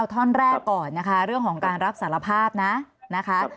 ท่อนแรกก่อนนะคะเรื่องของการรับสารภาพนะนะคะ